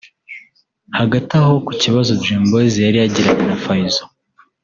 Hagati aho ku kibazo Dream Boys yari yagiranye na Fayzo